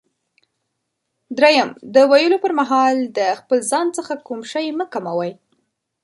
دریم: د ویلو پر مهال د خپل ځان څخه کوم شی مه کموئ.